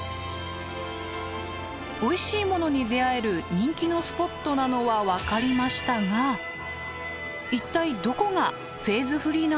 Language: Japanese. おいしいものに出会える人気のスポットなのは分かりましたが一体どこがフェーズフリーなんでしょうか？